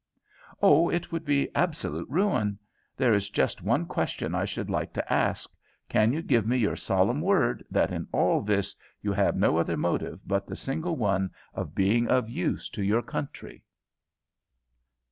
"Oh, it would be absolute ruin. There is just one question I should like to ask, Can you give me your solemn word that in all this you have no other motive but the single one of being of use to your country?"